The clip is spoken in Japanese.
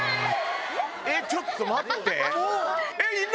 ちょっと待って。